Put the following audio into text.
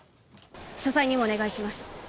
書斎にもお願いします。